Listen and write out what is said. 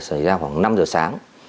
xảy ra khoảng năm giờ sáng